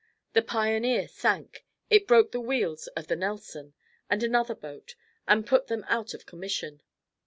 The "Pioneer" sank. It broke the wheels of the "Nelson" and another boat and put them out of commission.